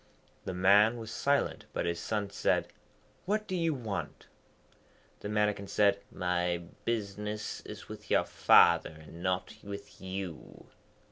The man was silent, but his son said, 'What do you want?' The Mannikin said, 'My business is with your father, and not with you.'